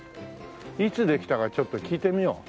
いつできたかちょっと聞いてみよう。